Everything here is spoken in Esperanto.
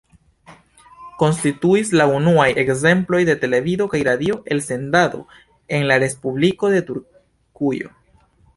Konstituis la unuaj ekzemploj de televido kaj radio elsendado en la Respubliko de Turkujo.